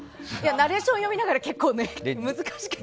ナレーション読みながら結構、難しくて。